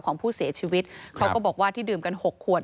ของผู้เสียชีวิตเขาก็บอกว่าที่ดื่มกันหกขวด